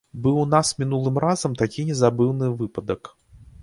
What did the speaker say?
Быў у нас мінулым разам такі незабыўны выпадак.